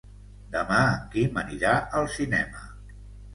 Demà en Quim anirà al cinema.